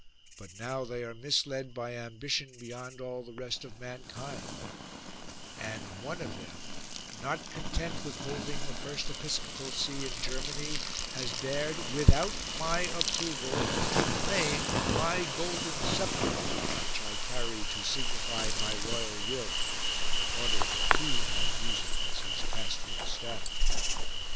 But now they are misled by ambition beyond all the rest of mankind ; and one of them not content with holding the first episcopal see in Germany has dared without my approval to claim my golden sceptre, which I carry to signify my royal will, in order that he might use it as his pastoral staff."